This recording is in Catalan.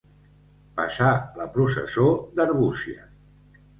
Passar la processó d'Arbúcies.